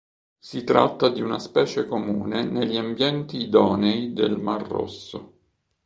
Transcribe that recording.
Si tratta di una specie comune negli ambienti idonei del mar Rosso.